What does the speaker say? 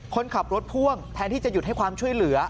คนขับรถพ่วงแทนที่จะหยุดให้ความช่วยเหลือ